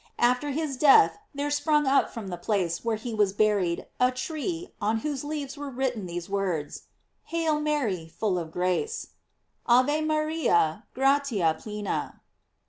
After his death there sprung up from the place where he was buried a tree, on whose leaves were written these words: Hail Mary, full of grace: "Ave Maria, gratia plena."